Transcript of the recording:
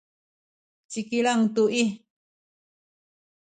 ci Kilang tu i